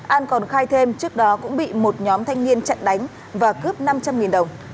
an còn khai thêm trước đó cũng bị một nhóm thanh niên chặn đánh và cướp năm trăm linh đồng